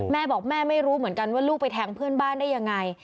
แม่บอกแม่ไม่รู้เหมือนกันว่าลูกไปแทงเพื่อนบ้านได้ยังไง